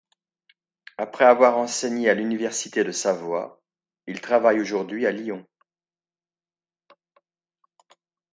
Après avoir enseigné à l'Université de Savoie, il travaille aujourd'hui à Lyon.